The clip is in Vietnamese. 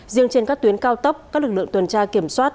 riêng trên các tuyến cao tốc các lực lượng tuần tra kiểm soát